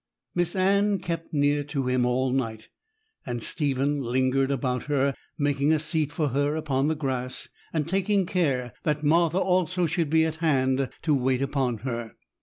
Miss Anne kept near to him all night, and Stephen lingered about her, making a seat for her upon the grass, and taking care that Martha also should be at hand to wait upon her.